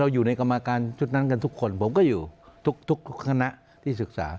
อยู่ในกรรมการชุดนั้นกันทุกคนผมก็อยู่ทุกคณะที่ศึกษา